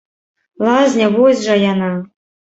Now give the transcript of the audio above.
Лазня, вось жа яна.